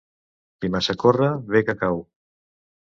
Qui massa corre, ve que cau.